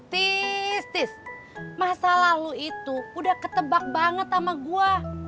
tis tis masalah lo itu udah ketebak banget sama gua